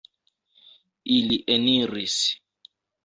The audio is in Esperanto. Ili eniris.